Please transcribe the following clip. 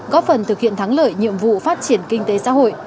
góp phần thực hiện thắng lợi nhiệm vụ phát triển kinh tế xã hội